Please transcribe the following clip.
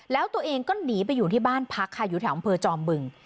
แล้วตัวเองก็หนีไปอยู่ที่บ้านพักค่ะอยู่แถวอำเภอจอมบึง